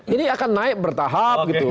ini akan naik bertahap gitu